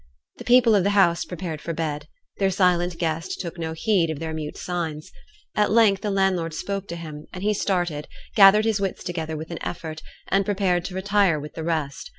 The people of the house prepared for bed. Their silent guest took no heed of their mute signs. At length the landlord spoke to him, and he started, gathered his wits together with an effort, and prepared to retire with the rest.